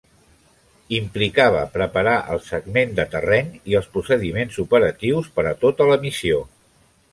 Implicava preparar el segment de terreny i els procediments operatius per a tota la missió.